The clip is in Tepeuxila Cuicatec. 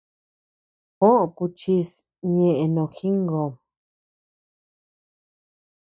Juó kuchis ñeʼe no jingöm.